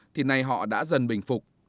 thì nay họ đã dần bình phục